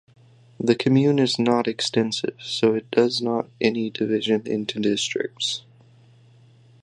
The commune is not extensive so it does not any division into districts.